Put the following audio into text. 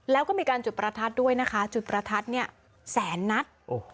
แล้วก็มีการจุดประทัดด้วยนะคะจุดประทัดเนี่ยแสนนัด